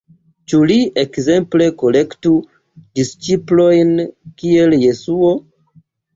Ĉu li, ekzemple, kolektu disĉiplojn kiel Jesuo?